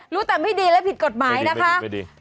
รู้แต่ไม่ดีและผิดกฎหมายนะคะไม่ดี